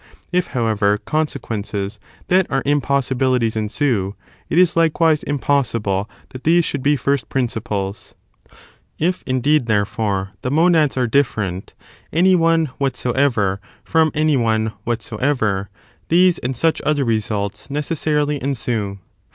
If, however, consequences that are impossibilities ensue, it is likewise impossible that these should be first principles. If, indeed, therefore, the monads are dif g. These, then, ferent, any one whatsoever fi om any one what "®*«*®^" soever, these and such other results necessarily the mona^ ensue. inoomparaWe.